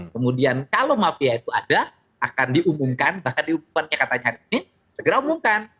kemudian kalau mafia itu ada akan diumumkan bahkan diumumkannya katanya hari senin segera umumkan